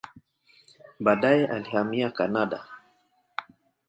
Baadaye alihamia Kanada.